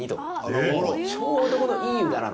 ちょうどこのいい湯だなの。